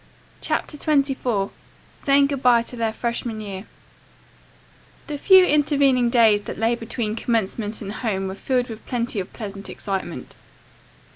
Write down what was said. CHAPTER XXIV SAYING GOOD BYE TO THEIR FRESHMAN YEAR The few intervening days that lay between commencement and home were filled with plenty of pleasant excitement.